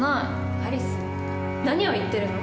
アリス何を言っているの？